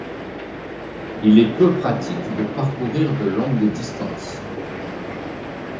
Il est peu pratique de parcourir de longues distances.